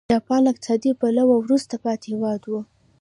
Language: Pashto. جاپان له اقتصادي پلوه وروسته پاتې هېواد و.